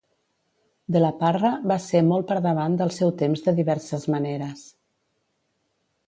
De la Parra va ser molt per davant del seu temps de diverses maneres.